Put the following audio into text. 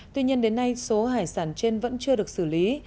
tuy nhiên đến nay số hải sản trên vẫn chưa được xử lý